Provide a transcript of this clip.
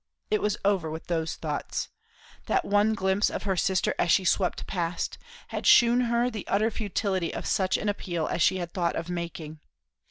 It was over with those thoughts. That one glimpse of her sister as she swept past, had shewn her the utter futility of such an appeal as she had thought of making.